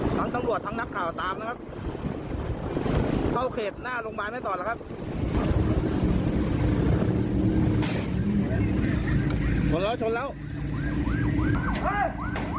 ทั้งตังหลวดทั้งนักข่าวตามนะครับเข้าเขตหน้าโรงพยาบาลไม่ตอบหรือครับ